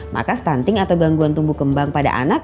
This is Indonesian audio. maka stunting atau gangguan tumbuh kembang pada anak